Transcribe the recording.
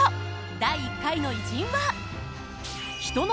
第１回の偉人は。